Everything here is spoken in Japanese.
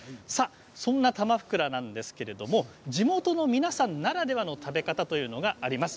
そんな、たまふくらなんですが地元の皆さんならではの食べ方があります。